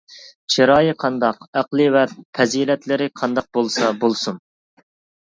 چىرايى قانداق، ئەقلى ۋە پەزىلەتلىرى قانداق بولسا بولسۇن.